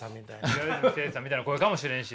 平泉成さんみたいな声かもしれんし。